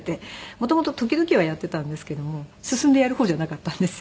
元々時々はやっていたんですけども進んでやる方じゃなかったんですよね。